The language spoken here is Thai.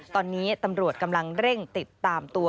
ตอนนี้ตำรวจกำลังเร่งติดตามตัว